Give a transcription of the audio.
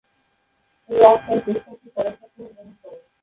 Rock তার প্রস্তাবটি পরের সপ্তাহে গ্রহণ করে।